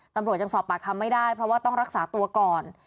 ตำรวจยังสอบปากคำไม่ได้เพราะว่าต้องรักษาตัวก่อน